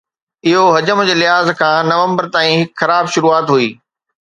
اهو حجم جي لحاظ کان نومبر تائين هڪ خراب شروعات هئي